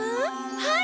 はい！